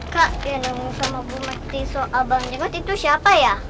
kak yang nunggu sama bu matiso abang jengot itu siapa ya